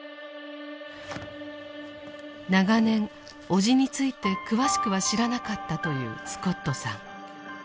長年叔父について詳しくは知らなかったというスコットさん。